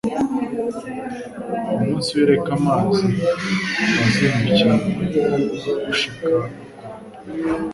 Umunsi w'i Reka-mazi Wazindukiye gushika u Rwanda.